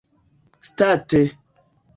state